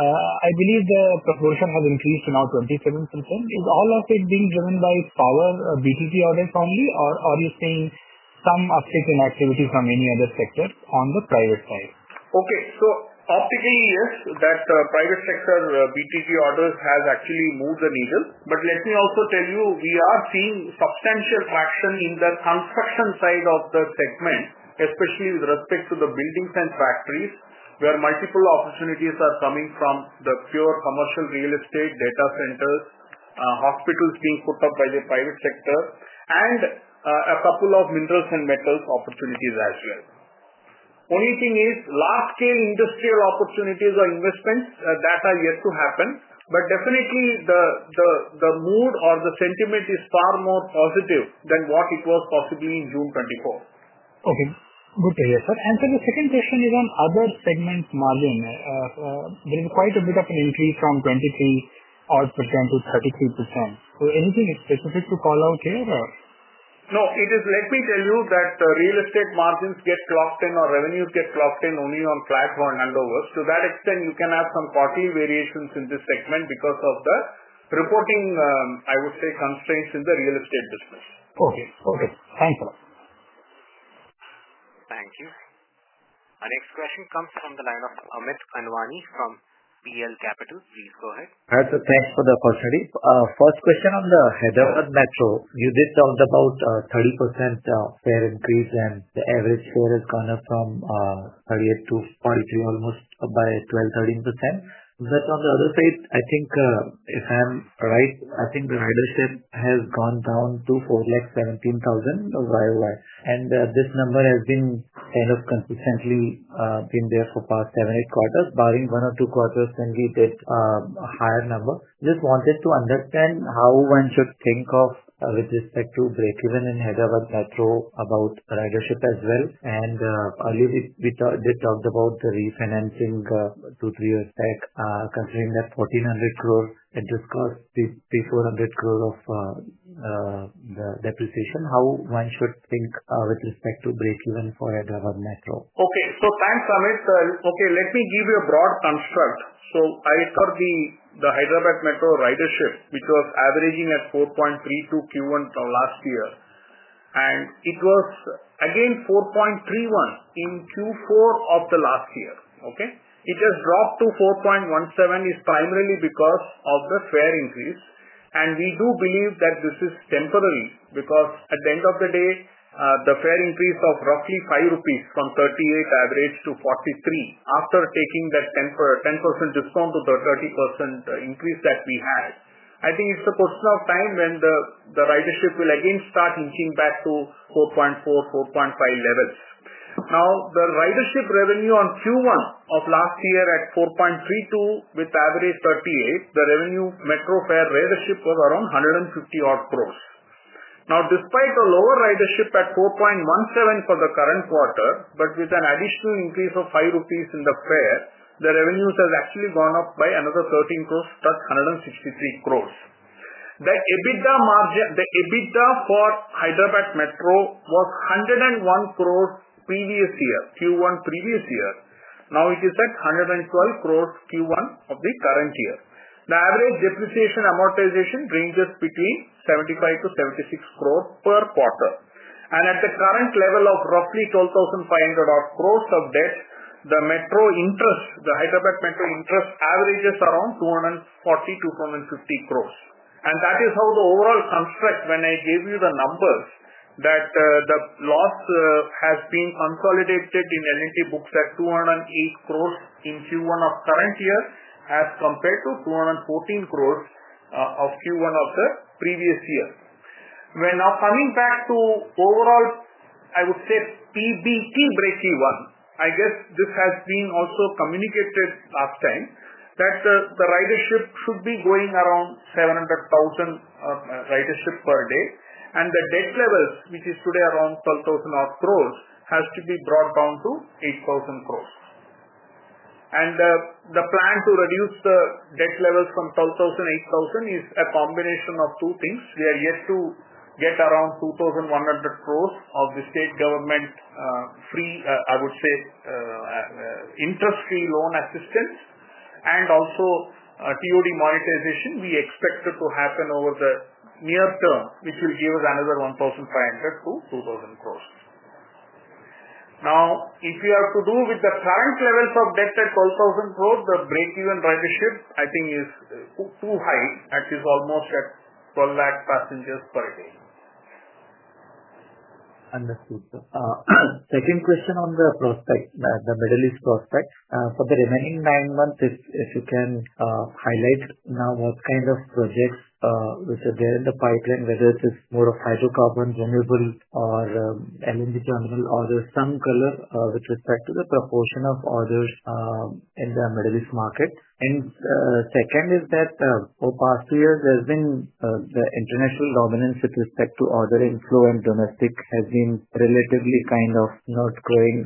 I believe the proportion has increased to now 27%. Is all of it being driven by power BTG orders only, or are you seeing some uptick in activity from any other sector on the private side? Okay. So optically, yes, that private sector BTG orders have actually moved the needle. Let me also tell you, we are seeing substantial traction in the construction side of the segment, especially with respect to the buildings and factories where multiple opportunities are coming from the pure commercial real estate, data centers, hospitals being put up by the private sector, and a couple of minerals and metals opportunities as well. The only thing is, large-scale industrial opportunities or investments are yet to happen. Definitely, the mood or the sentiment is far more positive than what it was possibly in June 2024. Okay. Good to hear, sir. The second question is on other segments' margin. There is quite a bit of an increase from 23% to 33%. Anything specific to call out here, or? No. Let me tell you that real estate margins get clocked in or revenues get clocked in only on flat or none of us. To that extent, you can have some quarterly variations in this segment because of the reporting, I would say, constraints in the real estate business. Okay. Okay. Thanks a lot. Thank you. Our next question comes from the line of Amit Anwani from PL Capital. Please go ahead. Thanks for the opportunity. First question on the Hyderabad Metro. You did talk about a 30% share increase, and the average share has gone up from 38 to 43, almost by 12%-13%. On the other side, I think, if I'm right, the ridership has gone down to 417,000 YoY. This number has been kind of consistently there for the past seven-eight quarters, barring one or two quarters when we did a higher number. Just wanted to understand how one should think of, with respect to break-even in Hyderabad Metro, about ridership as well. Earlier, we did talk about the refinancing two-three years back, considering that 1,400 crore had just caused 3,400 crore of depreciation. How should one think with respect to break-even for Hyderabad Metro? Okay. Thanks, Amit. Okay. Let me give you a broad construct. For the Hyderabad Metro ridership, which was averaging at 4.32% Q1 last year, and it was, again, 4.31% in Q4 of the last year. It has dropped to 4.17% primarily because of the fare increase. We do believe that this is temporary because, at the end of the day, the fare increase of roughly 5 rupees from 38 averaged to 43% after taking that 10% discount to the 30% increase that we had. I think it is a question of time when the ridership will again start inching back to 4.4%-4.5% levels. Now, the ridership revenue on Q1 of last year at 4.32% with average 38%, the revenue metro fare ridership was around 150 lakh crores. Now, despite a lower ridership at 4.17% for the current quarter, but with an additional increase of 5 rupees in the fare, the revenues have actually gone up by another 13 crores, plus 163 crores. The EBITDA for Hyderabad Metro was 101 crores previous year, Q1 previous year. Now it is at 112 crores Q1 of the current year. The average depreciation amortization ranges between 750 crores-760 crores per quarter. At the current level of roughly 125 crores of debt, the metro interest, the Hyderabad Metro interest, averages around 242 crores-250 crores. That is how the overall construct, when I gave you the numbers, that the loss has been consolidated in L&T books at 208 crores in Q1 of the current year as compared to 214 crores of Q1 of the previous year. Now, coming back to overall, I would say, PBT break-even, I guess this has been also communicated last time that the ridership should be going around 700,000 ridership per day. The debt levels, which is today around 12000 crores, has to be brought down to 8000 crores. The plan to reduce the debt levels from 12000 crores to 8000 crores is a combination of two things. We are yet to get around 2100 crores of the state government, free, I would say, interest-free loan assistance, and also TOD monetization we expect to happen over the near term, which will give us another 1500 crores-2000 crores. If we are to do with the current levels of debt at 12000 crores, the break-even ridership, I think, is too high. That is almost at 12 lakh passengers per day. Understood, sir. Second question on the prospect, the Middle East prospect. For the remaining nine months, if you can highlight now what kind of projects which are there in the pipeline, whether it is more of hydrocarbon, renewable, or L&T terminal, or there's some color with respect to the proportion of orders in the Middle East market. Second is that for the past two years, there's been the international dominance with respect to order inflow and domestic has been relatively kind of not growing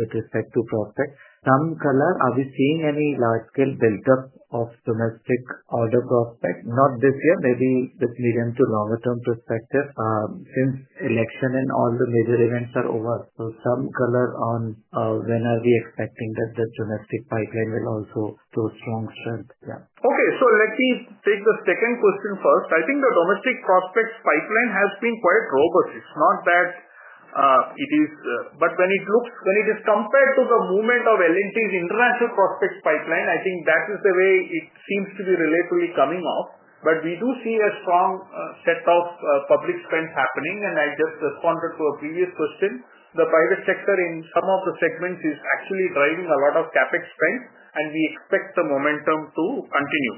with respect to prospect. Some color, are we seeing any large-scale buildup of domestic order prospect? Not this year, maybe with medium to longer-term perspective since election and all the major events are over. Some color on when are we expecting that the domestic pipeline will also show strong strength? Yeah. Okay. Let me take the second question first. I think the domestic prospects pipeline has been quite robust. It's not that. It is, but when it is compared to the movement of L&T's international prospects pipeline, I think that is the way it seems to be relatively coming off. We do see a strong set of public spends happening. I just responded to a previous question. The private sector in some of the segments is actually driving a lot of CapEx spend, and we expect the momentum to continue.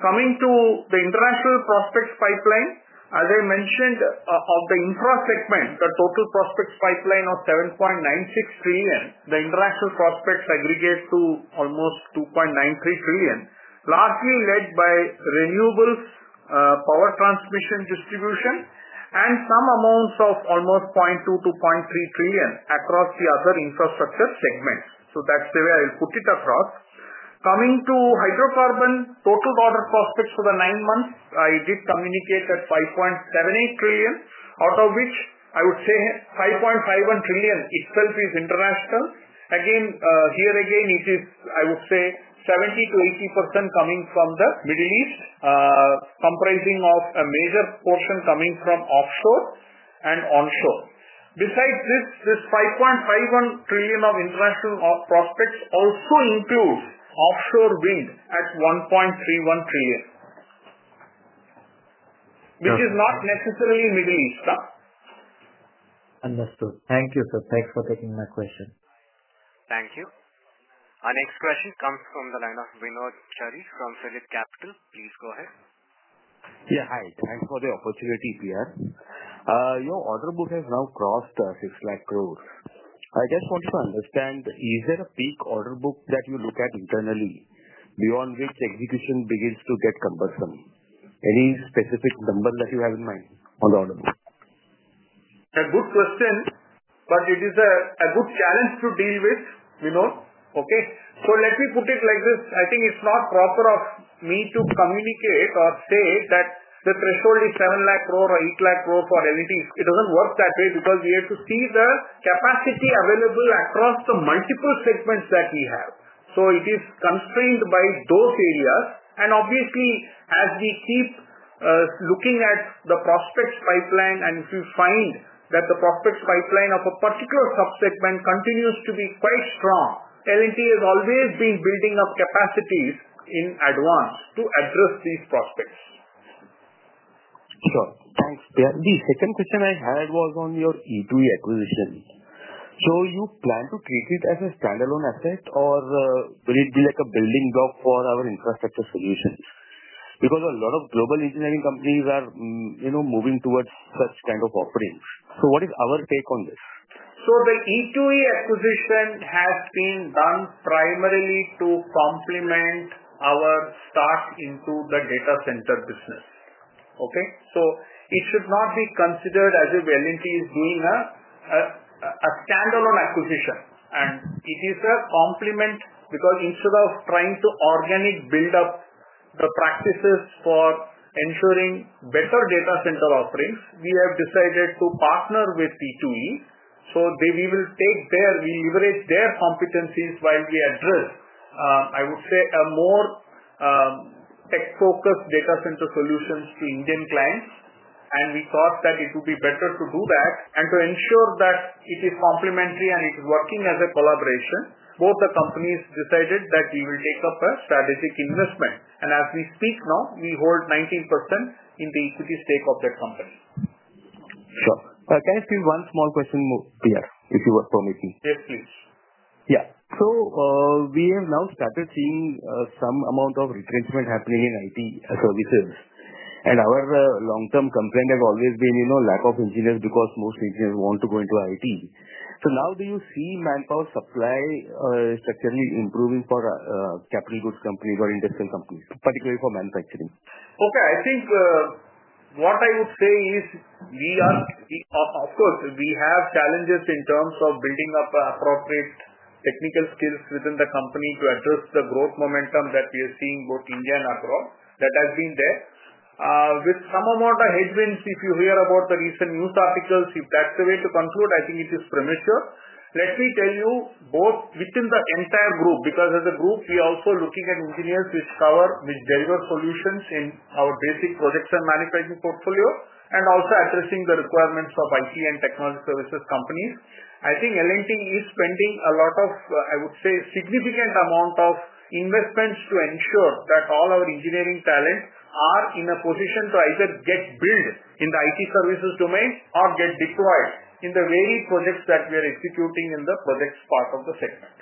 Coming to the international prospects pipeline, as I mentioned, of the infra segment, the total prospects pipeline of 7.96 trillion, the international prospects aggregate to almost 2.93 trillion, largely led by renewables, power transmission distribution, and some amounts of almost 0.2-0.3 trillion across the other infrastructure segments. That's the way I'll put it across. Coming to hydrocarbon, total order prospects for the nine months, I did communicate at 5.78 trillion, out of which I would say 5.51 trillion itself is international. Again, here again, I would say 70%-80% coming from the Middle East, comprising of a major portion coming from offshore and onshore. Besides this, this 5.51 trillion of international prospects also includes offshore wind at 1.31 trillion, which is not necessarily Middle East, sir. Understood. Thank you, sir. Thanks for taking my question. Thank you. Our next question comes from the line of Vinod Chari from Phillip Capital. Please go ahead. Yeah. Hi. Thanks for the opportunity, Priya. Your order book has now crossed 6 lakh crore. I just wanted to understand, is there a peak order book that you look at internally beyond which execution begins to get cumbersome? Any specific number that you have in mind on the order book? A good question, but it is a good challenge to deal with, Vinod. Okay? Let me put it like this. I think it's not proper of me to communicate or say that the threshold is 7 lakh crore or 8 lakh crore for L&T. It does not work that way because we have to see the capacity available across the multiple segments that we have. It is constrained by those areas. Obviously, as we keep looking at the prospects pipeline, and if we find that the prospects pipeline of a particular subsegment continues to be quite strong, L&T has always been building up capacities in advance to address these prospects. Sure. Thanks, Priya. The second question I had was on your E2E acquisition. Do you plan to treat it as a standalone asset, or will it be like a building block for our infrastructure solutions? Because a lot of global engineering companies are moving towards such kind of operations. What is our take on this? The E2E acquisition has been done primarily to complement our start into the data center business. It should not be considered as if L&T is doing a standalone acquisition. It is a complement because instead of trying to organically build up the practices for ensuring better data center offerings, we have decided to partner with E2E. We will take their, we leverage their competencies while we address, I would say, a more tech-focused data center solutions to Indian clients. We thought that it would be better to do that. To ensure that it is complementary and it is working as a collaboration, both the companies decided that we will take up a strategic investment. As we speak now, we hold 19% in the equity stake of that company. Sure. Can I ask you one small question more, Priya, if you would permit me? Yes, please. Yeah. We have now started seeing some amount of retrenchment happening in IT services. Our long-term complaint has always been lack of engineers because most engineers want to go into IT. Now do you see manpower supply structurally improving for capital goods companies or industrial companies, particularly for manufacturing? Okay. I think what I would say is, of course, we have challenges in terms of building up appropriate technical skills within the company to address the growth momentum that we are seeing both in India and abroad. That has been there. With some amount of headwinds, if you hear about the recent news articles, if that's the way to conclude, I think it is premature. Let me tell you, both within the entire group, because as a group, we are also looking at engineers which deliver solutions in our basic projects and manufacturing portfolio, and also addressing the requirements of IT and technology services companies. I think L&T is spending a lot of, I would say, significant amount of investments to ensure that all our engineering talent are in a position to either get built in the IT services domain or get deployed in the very projects that we are executing in the projects part of the segment.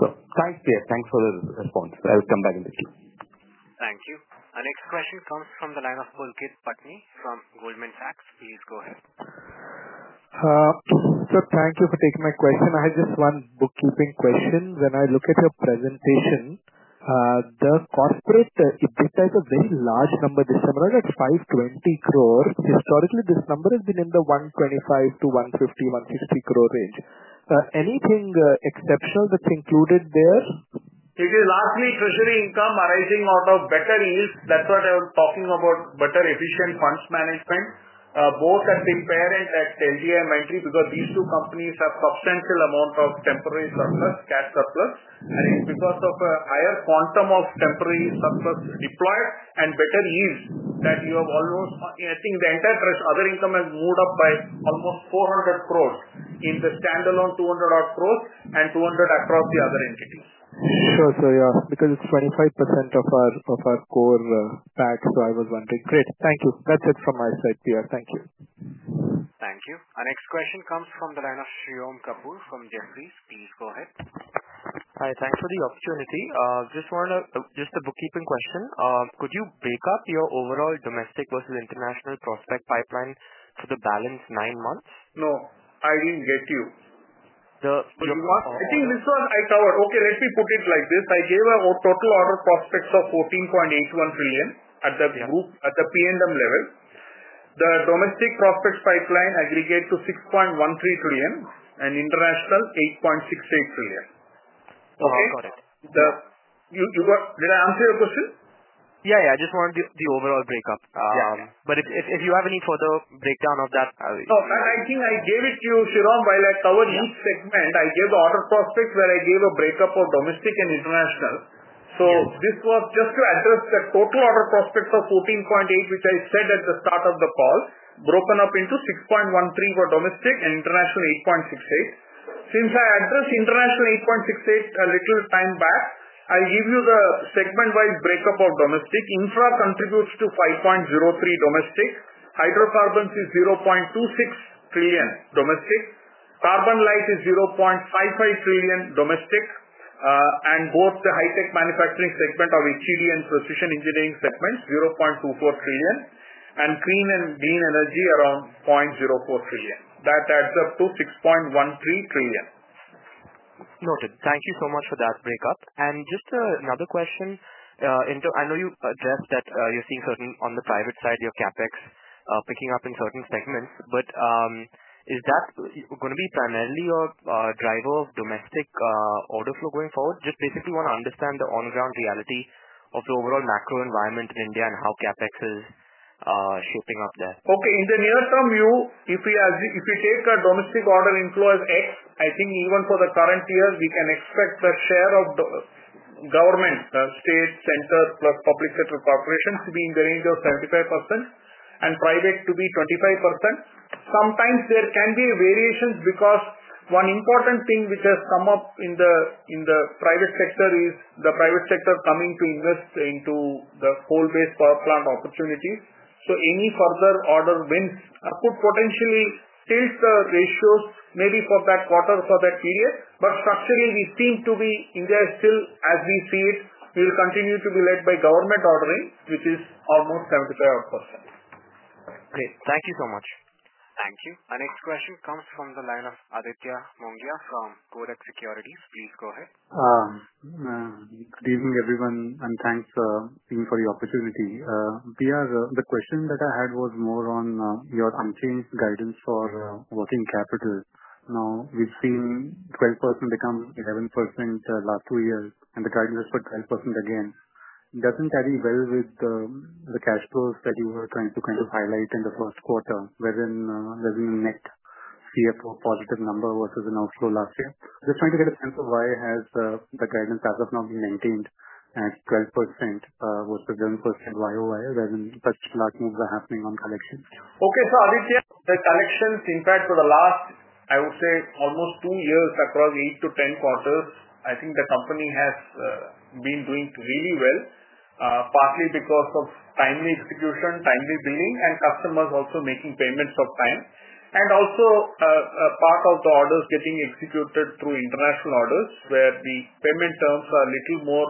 Sure. Thanks, P.R. Thanks for the response. I'll come back in a bit. Thank you. Our next question comes from the line of Pulkit Patni from Goldman Sachs. Please go ahead. Sir, thank you for taking my question. I had just one bookkeeping question. When I look at your presentation. The corporate EBITDA is a very large number. This summary is at 520 crore. Historically, this number has been in the 125-150, 160 crore range. Anything exceptional that's included there? It is largely treasury income arising out of better yields. That's what I was talking about, better efficient funds management, both at the impairment at L&T because these two companies have a substantial amount of temporary surplus, cash surplus. It is because of a higher quantum of temporary surplus deployed and better yields that you have almost, I think the entire other income has moved up by almost 400 crore in the standalone, 200 crore and 200 crore across the other entities. Sure, sir. Yeah. Because it's 25% of our core PAT, so I was wondering. Great. Thank you. That's it from my side, P.R. Thank you. Thank you. Our next question comes from the line of Sriyom Kapoor from Jefferies. Please go ahead. Hi. Thanks for the opportunity. Just wanted to, just a bookkeeping question. Could you break up your overall domestic versus international prospect pipeline for the balance nine months? No. I didn't get you. The. I think this one I covered. Okay. Let me put it like this. I gave a total order prospects of INR 14.81 trillion at the P&M level. The domestic prospects pipeline aggregated to 6.13 trillion and international 8.68 trillion. Okay? Got it. Did I answer your question? Yeah. Yeah. I just wanted the overall breakup. If you have any further breakdown of that. No. I think I gave it to you, Shirom, while I covered each segment. I gave the order prospects where I gave a breakup of domestic and international. This was just to address the total order prospects of, which I said at the start of the call, broken up into 6.13 trillion for domestic and international 8.68 trillion. Since I addressed international 8.68 trillion a little time back, I'll give you the segment-wise breakup of domestic. Infra contributes to 5.03 trillion domestic. Hydrocarbon is 0.26 trillion domestic. Carbon light is 0.55 trillion domestic. Both the high-tech manufacturing segment of HED and precision engineering segments, 0.24 trillion. Green and green energy around 0.04 trillion. That adds up to 6.13 trillion. Noted. Thank you so much for that breakup. And just another question. I know you addressed that you're seeing certain on the private side, your CapEx picking up in certain segments. But is that going to be primarily your driver of domestic order flow going forward? Just basically want to understand the on-ground reality of the overall macro environment in India and how CapEx is shaping up there. Okay. In the near term, if we take a domestic order inflow as, I think even for the current year, we can expect the share of government, state center plus public sector corporations to be in the range of 75% and private to be 25%. Sometimes there can be variations because one important thing which has come up in the private sector is the private sector coming to invest into the coal-based power plant opportunities. Any further order wins could potentially tilt the ratios maybe for that quarter, for that period. Structurally, we seem to be, India is still, as we see it, will continue to be led by government ordering, which is almost 75%. Great. Thank you so much. Thank you. Our next question comes from the line of Aditya Mongia from Kotak Securities. Please go ahead. Good evening, everyone, and thanks for the opportunity. Priya, the question that I had was more on your unchanged guidance for working capital. Now we've seen 12% become 11% the last two years, and the guidance is for 12% again. It doesn't carry well with the cash flows that you were trying to kind of highlight in the first quarter, wherein net CFO positive number versus an outflow last year. Just trying to get a sense of why has the guidance as of now been maintained at 12% versus 11% year on year, wherein such large moves are happening on collections? Okay. Aditya, the collections, in fact, for the last, I would say, almost two years across eight to ten quarters, I think the company has been doing really well, partly because of timely execution, timely billing, and customers also making payments on time. Also, part of the orders are getting executed through international orders where the payment terms are a little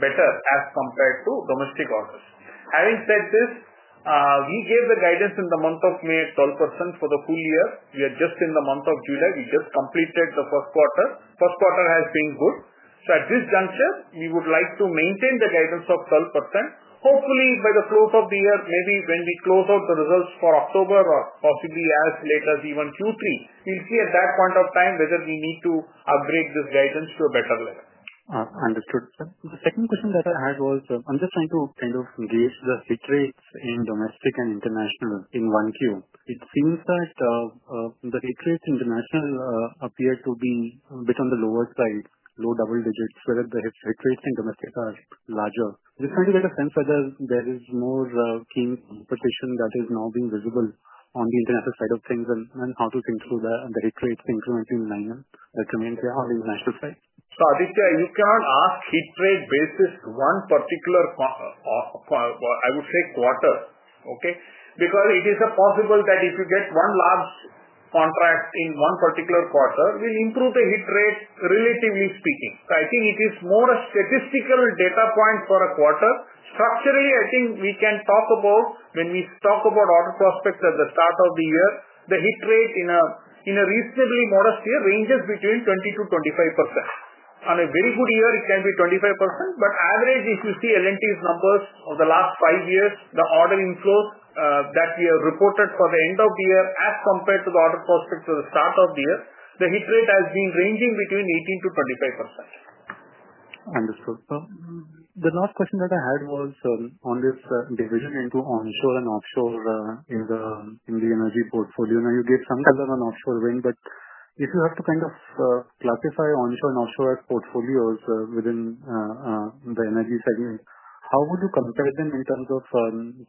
better as compared to domestic orders. Having said this, we gave the guidance in the month of May at 12% for the full year. We are just in the month of July. We just completed the first quarter. First quarter has been good. At this juncture, we would like to maintain the guidance of 12%. Hopefully, by the close of the year, maybe when we close out the results for October or possibly as late as even Q3, we will see at that point of time whether we need to upgrade this guidance to a better level. Understood. The second question that I had was, I'm just trying to kind of gauge the hit rates in domestic and international in Q1. It seems that the hit rates in international appear to be a bit on the lower side, low double digits, whereas the hit rates in domestic are larger. Just trying to get a sense whether there is more keen competition that is now being visible on the international side of things and how to think through the hit rates incrementing line that remains there on the international side. Aditya, you cannot ask hit rate basis one particular, I would say, quarter, okay? Because it is possible that if you get one large contract in one particular quarter, it will improve the hit rate, relatively speaking. I think it is more a statistical data point for a quarter. Structurally, I think we can talk about, when we talk about order prospects at the start of the year, the hit rate in a reasonably modest year ranges between 20%-25%. On a very good year, it can be 25%. On average, if you see L&T's numbers of the last five years, the order inflows that we have reported for the end of the year as compared to the order prospects for the start of the year, the hit rate has been ranging between 18%-25%. Understood. The last question that I had was on this division into onshore and offshore in the energy portfolio. Now you gave some talent on offshore wind, but if you have to kind of classify onshore and offshore as portfolios within the energy segment, how would you compare them in terms of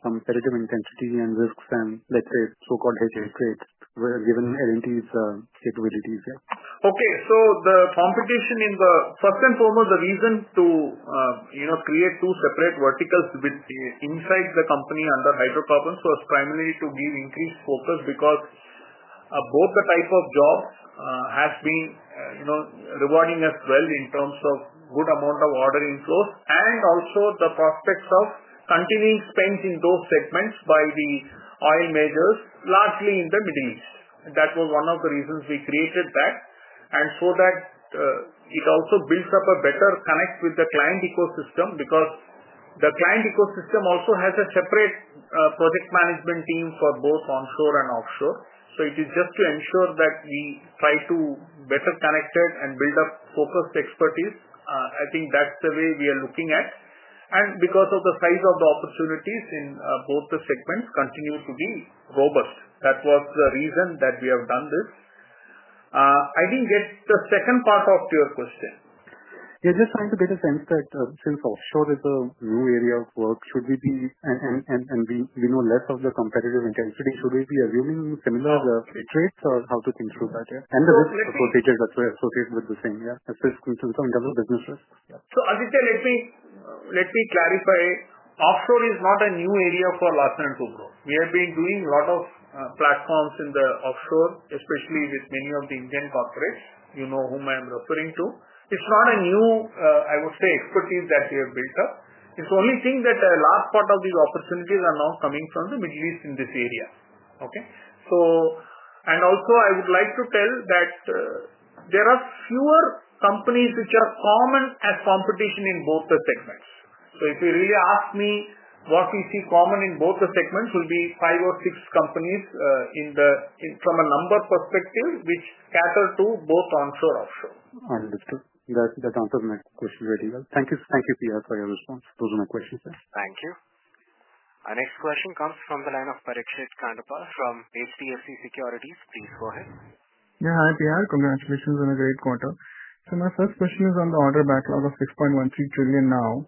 comparative intensity and risks and, let's say, so-called hit rates given L&T's capabilities here? Okay. The competition in the first and foremost, the reason to create two separate verticals inside the company under hydrocarbons was primarily to give increased focus because both the type of jobs has been rewarding as well in terms of good amount of order inflows and also the prospects of continuing spend in those segments by the oil majors, largely in the Middle East. That was one of the reasons we created that. It also builds up a better connect with the client ecosystem because the client ecosystem also has a separate project management team for both onshore and offshore. It is just to ensure that we try to better connect it and build up focused expertise. I think that's the way we are looking at. Because of the size of the opportunities in both the segments continue to be robust, that was the reason that we have done this. I didn't get the second part of your question. Yeah. Just trying to get a sense that since offshore is a new area of work, should we be, and we know less of the competitive intensity, should we be assuming similar hit rates or how to think through that? The risks associated with the same, yeah, just in terms of business risk. Aditya, let me clarify. Offshore is not a new area for Larsen & Toubro. We have been doing a lot of platforms in the offshore, especially with many of the Indian corporates, you know whom I am referring to. It's not a new, I would say, expertise that we have built up. The only thing is that a large part of these opportunities are now coming from the Middle East in this area. Okay? Also, I would like to tell you that there are fewer companies which are common as competition in both the segments. If you really ask me what we see common in both the segments, it will be five or six companies from a number perspective which cater to both onshore and offshore. Understood. That answers my question very well. Thank you, Priya, for your response. Those are my questions. Thank you. Our next question comes from the line of Parikshit Kandpal from HDFC Securities. Please go ahead. Yeah. Hi, Priya. Congratulations on a great quarter. My first question is on the order backlog of ₹6.13 trillion now.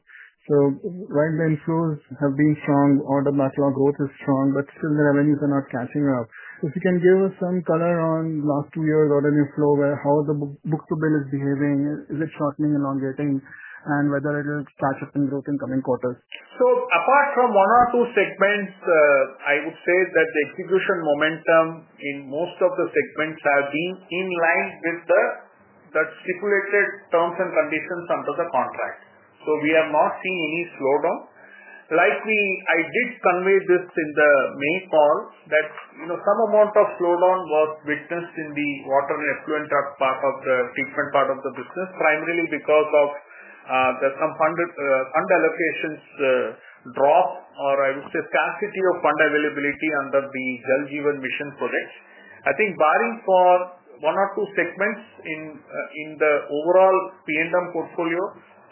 Right, the inflows have been strong. Order backlog growth is strong, but still the revenues are not catching up. If you can give us some color on the last two years' order inflow, how the book-to-bill is behaving, is it shortening, elongating, and whether it will catch up in growth in coming quarters? Apart from one or two segments, I would say that the execution momentum in most of the segments has been in line with the stipulated terms and conditions under the contract. We have not seen any slowdown. Likely, I did convey this in the May call, that some amount of slowdown was witnessed in the water and effluent part of the treatment part of the business, primarily because of the fund allocations drop or, I would say, scarcity of fund availability under the Jal Jeevan mission projects. I think barring for one or two segments in the overall P&M portfolio,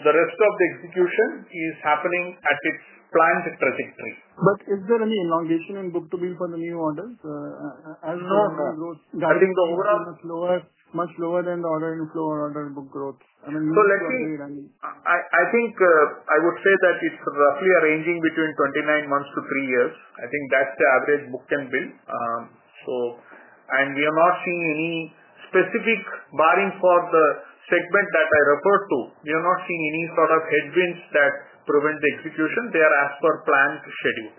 the rest of the execution is happening at its planned trajectory. Is there any elongation in book-to-bill for the new orders? No. I think the overall. Much lower than the order inflow or order book growth. I mean. Let me. I think I would say that it's roughly ranging between 29 months to three years. I think that's the average book-to-bill. We are not seeing any specific barring for the segment that I referred to. We are not seeing any sort of headwinds that prevent the execution. They are as per planned schedule.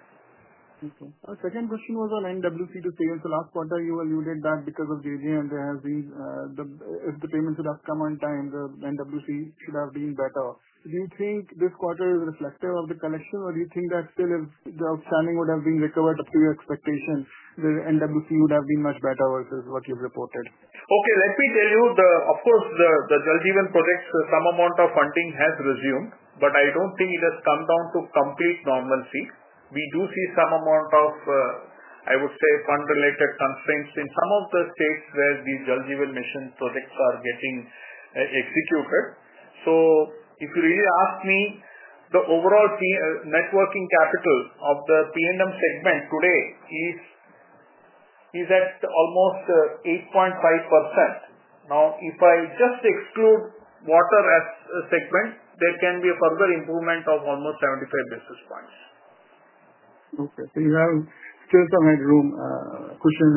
Okay. Our second question was on NWC to pay. Last quarter, you alluded that because of JJ and the, if the payments would have come on time, the NWC should have been better. Do you think this quarter is reflective of the collection, or do you think that still the outstanding would have been recovered up to your expectation, the NWC would have been much better versus what you've reported? Okay. Let me tell you, of course, the Jal Jeevan projects, some amount of funding has resumed, but I don't think it has come down to complete normalcy. We do see some amount of, I would say, fund-related constraints in some of the states where the Jal Jeevan mission projects are getting executed. If you really ask me, the overall net working capital of the P&M segment today is at almost 8.5%. Now, if I just exclude water as a segment, there can be a further improvement of almost 75 basis points. Okay. So you have still some headroom. Question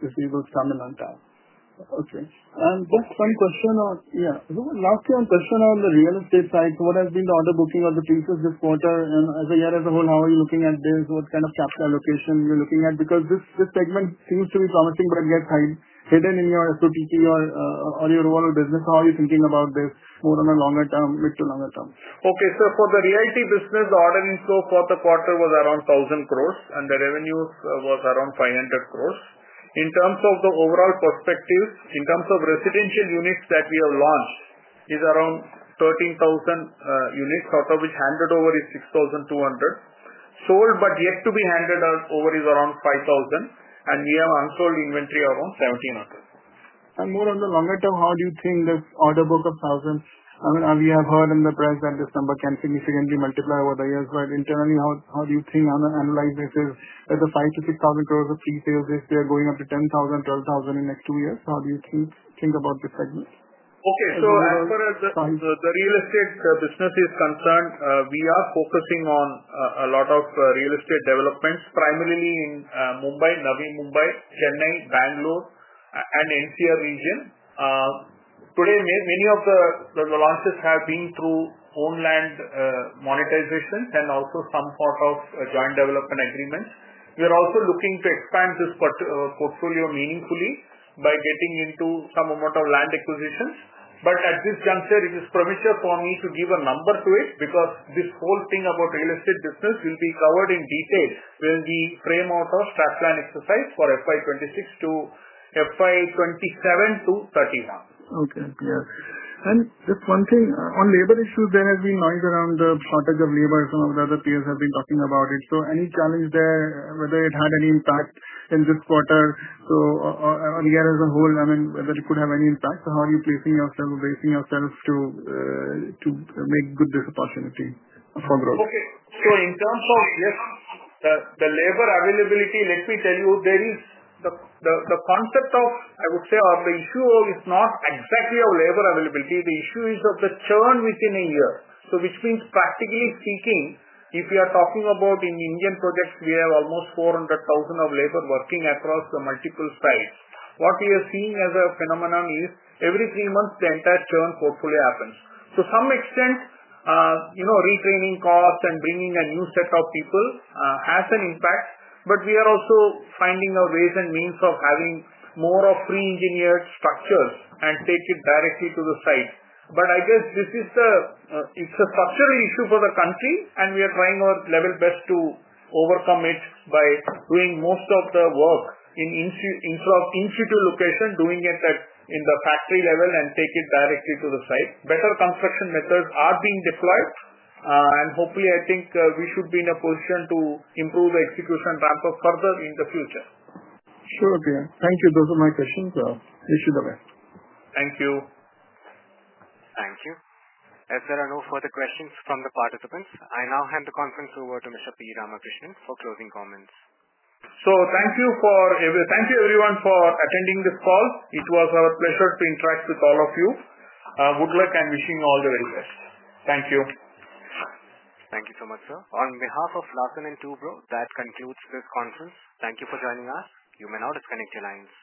if you will come in on time. Okay. Just one question. Yeah. Lastly, one question on the real estate side. What has been the order booking of the pieces this quarter? As a year as a whole, how are you looking at this? What kind of capital allocation are you looking at? Because this segment seems to be promising, but it gets hidden in your SOTP or your overall business. How are you thinking about this more on a longer term, mid to longer term? Okay. For the realty business, the order inflow for the quarter was around 1,000 crore, and the revenue was around 500 crore. In terms of the overall perspective, in terms of residential units that we have launched, it is around 13,000 units, out of which handed over is 6,200. Sold but yet to be handed over is around 5,000, and we have unsold inventory around 1,700. More on the longer term, how do you think this order book of ₹1,000? I mean, we have heard in the press that this number can significantly multiply over the years, but internally, how do you think, analyze this as ₹5,000-₹6,000 of pre-sales if they are going up to ₹10,000-₹12,000 in the next two years? How do you think about this segment? Okay. As far as the real estate business is concerned, we are focusing on a lot of real estate developments, primarily in Mumbai, Navi Mumbai, Chennai, Bangalore, and NCR region. Today, many of the launches have been through own-land monetization and also some sort of joint development agreements. We are also looking to expand this portfolio meaningfully by getting into some amount of land acquisitions. At this juncture, it is premature for me to give a number to it because this whole thing about real estate business will be covered in detail when we frame out our strat plan exercise for FY 2026-FY 2027-FY 2031. Okay. Yeah. Just one thing. On labor issues, there has been noise around the shortage of labor. Some of the other peers have been talking about it. Any challenge there, whether it had any impact in this quarter or a year as a whole? I mean, whether it could have any impact? How are you placing yourself or basing yourself to make good this opportunity for growth? Okay. So in terms of, yes, the labor availability, let me tell you, the concept of, I would say, or the issue is not exactly of labor availability. The issue is of the churn within a year. Which means, practically speaking, if we are talking about in Indian projects, we have almost 400,000 of labor working across the multiple sites. What we are seeing as a phenomenon is every three months, the entire churn portfolio happens. To some extent, retraining costs and bringing a new set of people has an impact, but we are also finding our ways and means of having more of pre-engineered structures and take it directly to the site. I guess this is a structural issue for the country, and we are trying our level best to overcome it by doing most of the work in situ location, doing it in the factory level and take it directly to the site. Better construction methods are being deployed. Hopefully, I think we should be in a position to improve the execution ramp up further in the future. Sure, Priya. Thank you. Those are my questions. Wish you the best. Thank you. Thank you. If there are no further questions from the participants, I now hand the conference over to Mr. P. Ramakrishnan for closing comments. Thank you, everyone, for attending this call. It was our pleasure to interact with all of you. Good luck and wishing you all the very best. Thank you. Thank you so much, sir. On behalf of Larsen & Toubro, that concludes this conference. Thank you for joining us. You may now disconnect your lines.